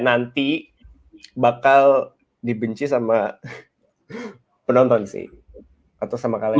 nanti bakal dibenci sama penonton sih atau sama kalian